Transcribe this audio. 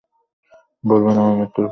বললেন, আমার মৃত্যুর পরে।